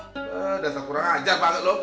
aduh dasar kurang ajar banget lo